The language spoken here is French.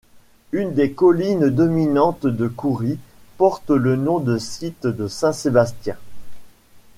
Une des collines dominantes de Courry porte le nom de site de Saint-Sébastien.